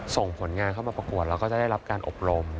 ส่งผลงานเข้ามาประกวดแล้วก็จะได้รับการอบรม